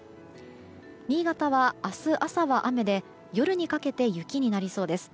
新潟は明日朝は雨で夜にかけて雪になりそうです。